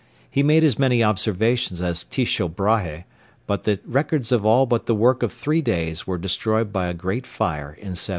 He made as many observations as Tycho Brahé, but the records of all but the work of three days were destroyed by a great fire in 1728.